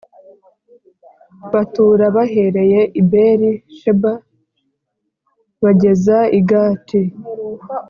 Batura bahereye i Beri Sheba bageza I gati